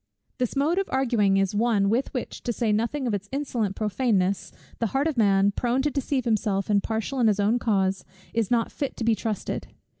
This mode of arguing is one, with which, to say nothing of its insolent prophaneness, the heart of man, prone to deceive himself and partial in his own cause, is not fit to be trusted.